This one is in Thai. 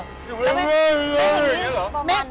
เฮ้ยเฮ้ยเฮ้ยอย่างนี้เหรอ